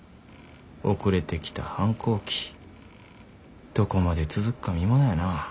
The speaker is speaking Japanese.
遅れてきた反抗期どこまで続くか見ものやな。